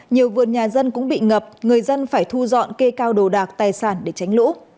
nhiều vườn nhà dân cũng bị ngập người dân phải thu dọn kê cao đồ đạc tài sản để tránh lũ